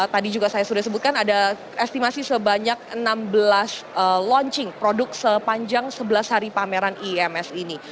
tadi juga saya sudah sebutkan ada estimasi sebanyak enam belas launching produk sepanjang sebelas hari pameran ims ini